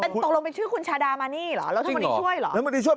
เป็นตรงลงเป็นชื่อคุณชาดามานี่เหรอรัฐมนตรีช่วยเหรอ